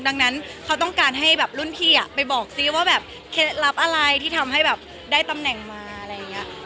ดังนั้นเขาต้องการให้แบบรุ่นพี่ไปบอกซิว่าแบบเคล็ดลับอะไรที่ทำให้แบบได้ตำแหน่งมาอะไรอย่างนี้